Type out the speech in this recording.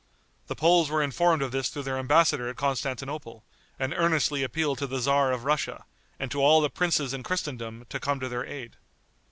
The Poles were informed of this through their embassador at Constantinople, and earnestly appealed to the tzar of Russia, and to all the princes in Christendom to come to their aid.